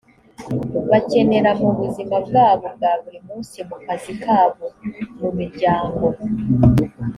bakenera mu buzima bwabo bwa buri munsi mu kazi kabo mu miryango